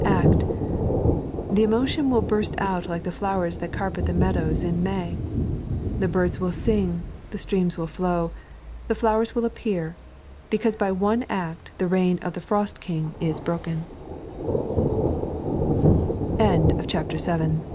Act. The emotion will burst out like the flowers that carpet the meadows in May. The birds will sing, the streams will flow, the flowers will appear, because by one act the reign of the Fros